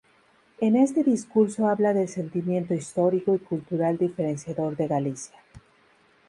En este discurso habla del sentimiento histórico y cultural diferenciador de Galicia.